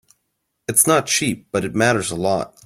It's not cheap, but it matters a lot.